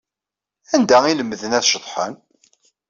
Anda ay lemden ad ceḍḥen?